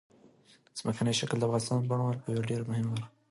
ځمکنی شکل د افغانستان د بڼوالۍ یوه ډېره مهمه برخه ده.